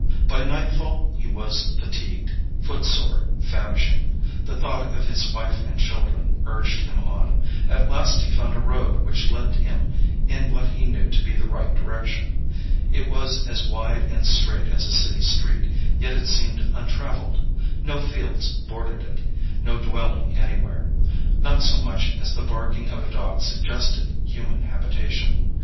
By nightfall he was fatigued, footsore, famishing. The thought of his wife and children urged him on. At last he found a road which led him in what he knew to be the right direction. It was as wide and straight as a city street, yet it seemed untraveled. No fields bordered it, no dwelling anywhere. Not so much as the barking of a dog suggested human habitation.